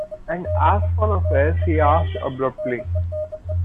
“And as for affairs,” he asked abruptly.